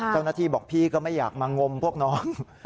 เจ้าหน้าที่บอกพี่ก็ไม่อยากมางมพวกน้อง